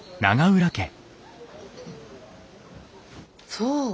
そう。